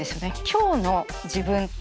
今日の自分。